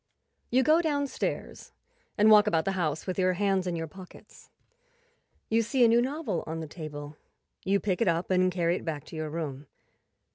You go downstairs and walk about the house with your hands in your pockets. You see a new novel on the table; you pick it up and carry it back to your room.